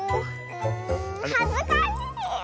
はずかしいよ！